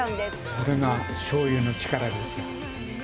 これがしょうゆの力ですよ。